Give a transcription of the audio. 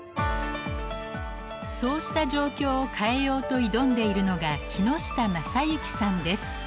そうした状況を変えようと挑んでいるのが木下昌之さんです。